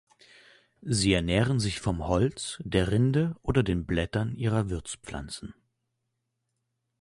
Sie ernähren sich vom Holz, der Rinde oder den Blättern ihrer Wirtspflanzen.